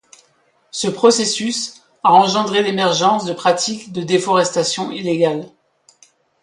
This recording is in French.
Ce processus a engendré l’émergence de pratiques de déforestation illégale.